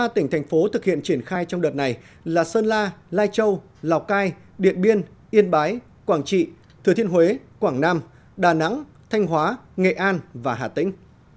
ba tỉnh thành phố thực hiện triển khai trong đợt này là sơn la lai châu lào cai điện biên yên bái quảng trị thừa thiên huế quảng nam đà nẵng thanh hóa nghệ an và hà tĩnh